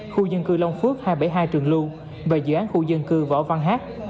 khu dân cư long phước hai trăm bảy mươi hai trường lưu và dự án khu dân cư võ văn hát